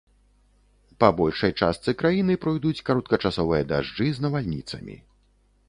Па большай частцы краіны пройдуць кароткачасовыя дажджы з навальніцамі.